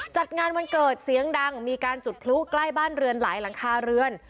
จัดงานวันเกิดเสียงดังมีการจุดพลุใกล้บ้านเรือนหลายหลังคาเรือน